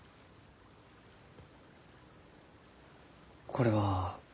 これは？